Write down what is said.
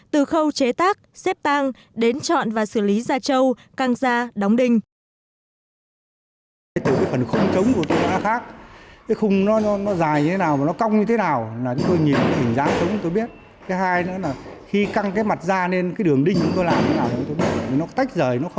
từ khâu chế tác xếp tăng đến chọn và xử lý da trâu căng da đóng đinh